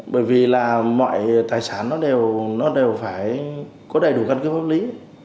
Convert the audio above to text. bởi vì là mọi tài sản nó đều phải có đầy đủ căn cứ pháp lý